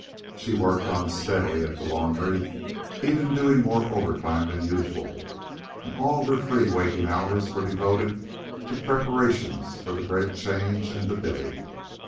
She worked on steadily at the laundry, even doing more overtime than usual, and all her free waking hours were devoted to preparations for the great change and to Billy.